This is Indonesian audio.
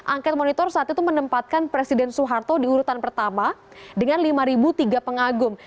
angket monitor saat itu menempatkan presiden soeharto di urutan pertama dengan lima tiga pengagum